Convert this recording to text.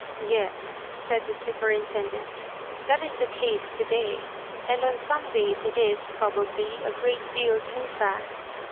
"Yes," said the superintendent, "that is the case today, and on some days it is, probably, a great deal too fast.